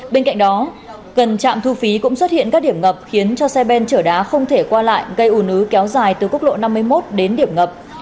bên cạnh đó gần trạm thu phí cũng xuất hiện các điểm ngập khiến cho xe ben chở đá không thể qua lại gây ủ nứ kéo dài từ quốc lộ năm mươi một đến điểm ngập